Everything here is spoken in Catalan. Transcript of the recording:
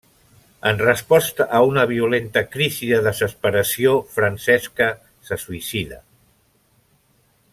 En resposta a una violenta crisi de desesperació, Francesca se suïcida.